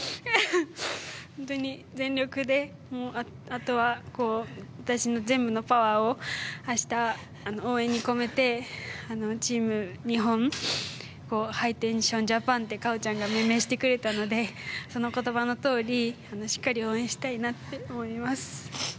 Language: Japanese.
全力で、あとは私の全部のパワーを明日、応援に込めて、チーム日本ハイテンションジャパンってカオちゃんが命名してくれたのでその言葉のとおりしっかり応援したいなって思います。